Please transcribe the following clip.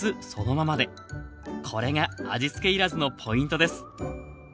これが味付け要らずのポイントです。